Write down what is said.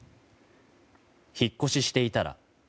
引っ越ししていたら。